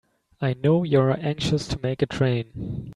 I know you're anxious to make a train.